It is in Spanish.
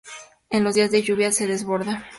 En los días de lluvia se desborda.